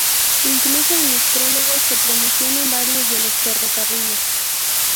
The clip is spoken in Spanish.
Incluso en los prólogos se promocionan varios de los ferrocarriles.